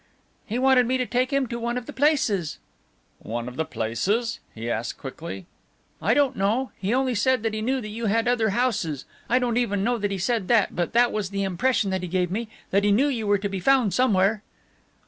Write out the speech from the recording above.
"He wanted me to take him to one of the places." "One of what places?" he asked quickly. "I don't know. He only said that he knew that you had other houses I don't even know that he said that, but that was the impression that he gave me, that he knew you were to be found somewhere."